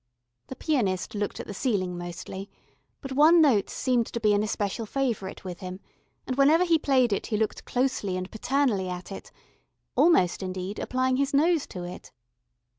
The pianist looked at the ceiling mostly, but one note seemed to be an especial favourite with him, and whenever he played it he looked closely and paternally at it, almost indeed applying his nose to it.